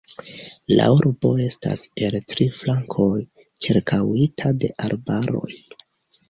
La urbo estas el tri flankoj ĉirkaŭita de arbaroj.